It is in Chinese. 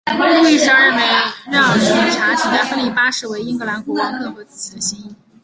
路易十二认为让理查取代亨利八世为英格兰国王更合自己的心意。